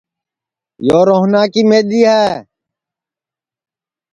یو روہنا کی مِدؔی ہے